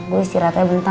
gue istirahatnya bentar